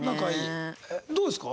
どうですか？